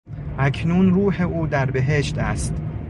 اکنون روح او در بهشت است.